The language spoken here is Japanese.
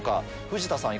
藤田さん